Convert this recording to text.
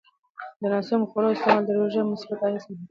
د ناسمو خوړو استعمال د روژې مثبت اغېز محدودوي.